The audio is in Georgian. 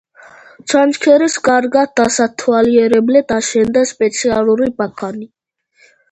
ჩანჩქერის კარგად დასათვალიერებლად აშენდა სპეციალური ბაქანი.